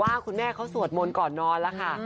ว่าคุณแม่เขาสวดมนต์ก่อนนอนแล้วค่ะ